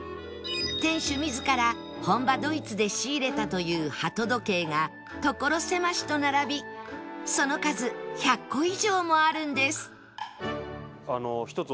店主自ら本場ドイツで仕入れたという鳩時計が所狭しと並びその数１００個以上もあるんです